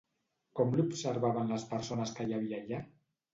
Com l'observaven les persones que hi havia allà?